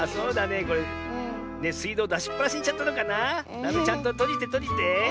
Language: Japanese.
ダメちゃんととじてとじて。